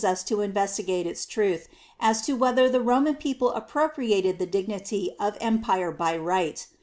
n] DE MONARCHIA 71 us to investigate its truth as to whether the Roman people appropriated the dignity of em pire by Right.